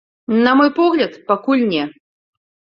На мой погляд, пакуль не.